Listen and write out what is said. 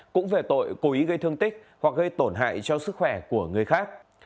cũng về tội cố ý gây thương tích hoặc gây tổn hại cho sức khỏe của người khác